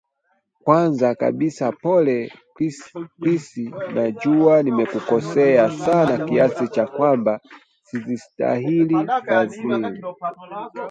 Kwanza kabisa pole Chris najua nimekukosea sana kiasi cha kwamba sizistahili fadhili